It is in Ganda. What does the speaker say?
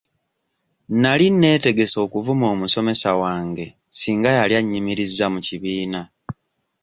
Nali neetegese okuvuma omusomesa wange singa yali annyimirizza mu kibiina.